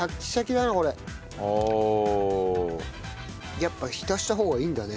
やっぱ浸した方がいいんだね